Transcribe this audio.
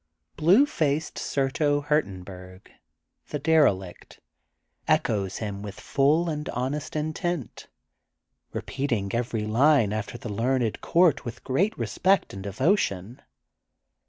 Blue faced Surto Hurdenburg, the derelict, echoes him with full and honest intent, repeating every line after the learned court with great respect and devotion.